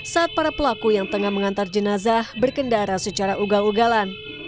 saat para pelaku yang tengah mengantar jenazah berkendara secara ugal ugalan